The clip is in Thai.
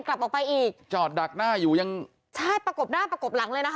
กลับออกไปอีกจอดดักหน้าอยู่ยังใช่ประกบหน้าประกบหลังเลยนะคะ